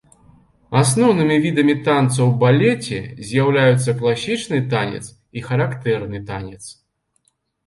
Асноўнымі відамі танца ў балеце з'яўляюцца класічны танец і характэрны танец.